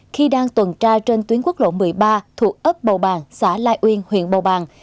khi đang tuần tra trên tuyến quốc lộ một mươi ba thuộc ớp bào bàng xã lai uyên huyện bào bàng